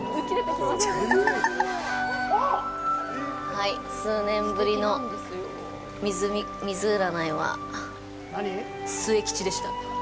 はい、数年ぶりの水占いは末吉でした。